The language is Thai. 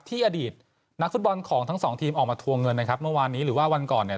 อดีตนักฟุตบอลของทั้งสองทีมออกมาทวงเงินนะครับเมื่อวานนี้หรือว่าวันก่อนเนี่ย